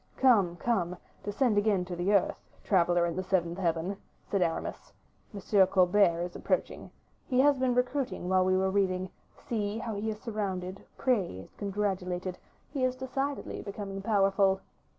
"Come, come, descend again to the earth, traveler in the seventh heaven," said Aramis; "M. Colbert is approaching. He has been recruiting while we were reading; see, how he is surrounded, praised, congratulated; he is decidedly becoming powerful."